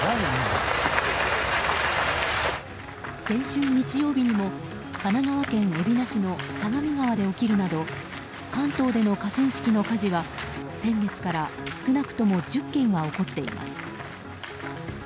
先週日曜日にも神奈川県海老名市の相模川で起きるなど関東での河川敷の火事は先月から少なくとも１０件は起こっています。